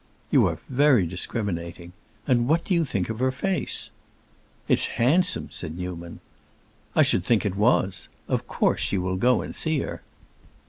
"You are very discriminating. And what do you think of her face?" "It's handsome!" said Newman. "I should think it was! Of course you will go and see her."